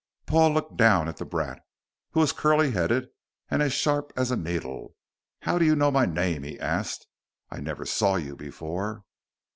Paul looked down at the brat, who was curly headed and as sharp as a needle. "How do you know my name?" he asked. "I never saw you before."